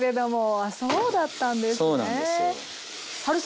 あそうだったんですね。